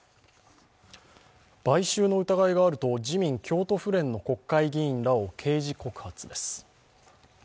買収の疑いがあると自民京都府連の国会議員らを刑事告発です。